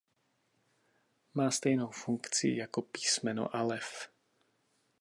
Má stejnou funkci jako písmeno Alef.